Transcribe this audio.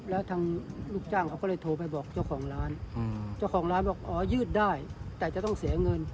แล้วทางลูกจ้างเขาก็เลยโทรไปบอกเจ้าของร้านเจ้าของร้านบอกอ๋อยืดได้แต่จะต้องเสียเงิน